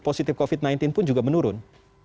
positif covid sembilan belas pun juga menurun